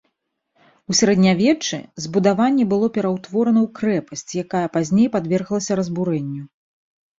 У сярэднявеччы збудаванне было пераўтворана ў крэпасць, якая пазней падверглася разбурэнню.